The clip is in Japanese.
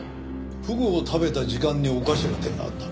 フグを食べた時間におかしな点があった。